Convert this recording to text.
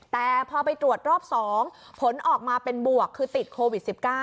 แต่พอไปตรวจรอบ๒ผลออกมาเป็นบวกคือติดโควิด๑๙